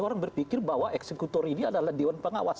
orang berpikir bahwa eksekutor ini adalah dewan pengawas